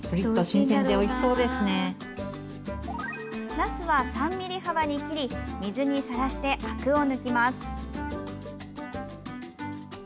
なすは３ｍｍ幅に切り水にさらして、あくを抜きます。